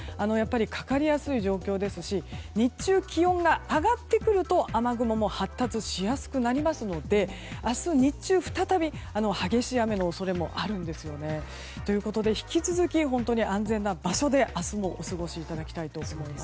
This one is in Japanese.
かかりやすい状況ですし日中、気温が上がってくると雨雲も発達しやすくなりますので明日日中、再び激しい雨の恐れもあるんですよね。ということで引き続き本当に、安全な場所で明日もお過ごしいただきたいと思います。